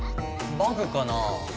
バグかな？